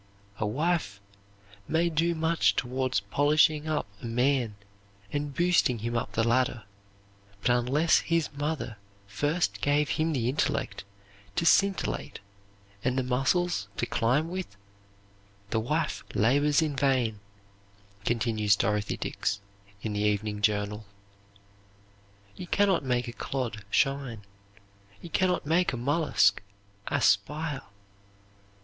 "A wife may do much toward polishing up a man and boosting him up the ladder, but unless his mother first gave him the intellect to scintillate and the muscles to climb with, the wife labors in vain," continues Dorothy Dix, in the Evening Journal. "You can not make a clod shine. You can not make a mollusk aspire.